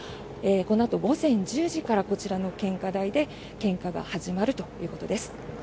このあと午前１０時からこちらの献花台で献花が始まるということです。